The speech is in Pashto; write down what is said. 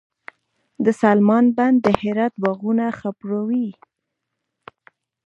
د سلما بند د هرات باغونه خړوبوي.